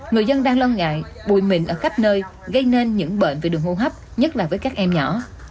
người dân đang lo ngại bụi mịn ở khắp nơi gây nên những bệnh về đường hô hấp nhất là với các em nhỏ